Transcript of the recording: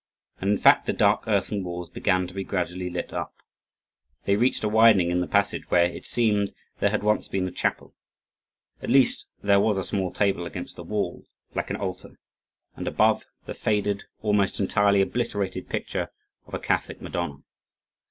And in fact the dark earthen walls began to be gradually lit up. They reached a widening in the passage where, it seemed, there had once been a chapel; at least, there was a small table against the wall, like an altar, and above, the faded, almost entirely obliterated picture of a Catholic Madonna.